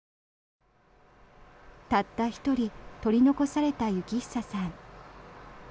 たった１人取り残された幸久さん。